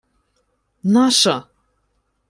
— Наша!